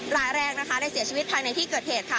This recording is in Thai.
รายแรกได้เสียชีวิตภายในที่เกิดเหตุ